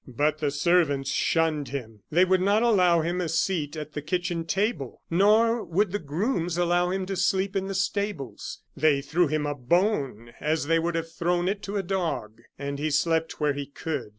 But the servants shunned him. They would not allow him a seat at the kitchen table, nor would the grooms allow him to sleep in the stables. They threw him a bone, as they would have thrown it to a dog; and he slept where he could.